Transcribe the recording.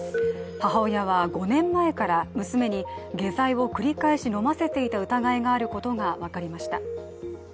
母親は５年前から娘に下剤を繰り返し飲ませていた疑いがあることが分かりました。